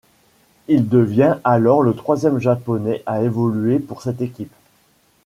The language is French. Il devient alors le troisième japonais à évoluer pour cette équipe.